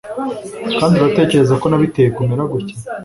kandi uratekereza ko nabiteye kumera gutya